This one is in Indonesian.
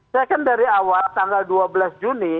saya kan dari awal tanggal dua belas juni